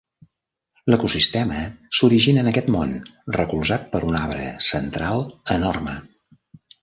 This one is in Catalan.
L'ecosistema s'origina en aquest món, recolzat per un arbre central enorme.